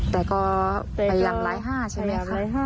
แต่ก็พยายามร้อยห้าใช่ไหมคะ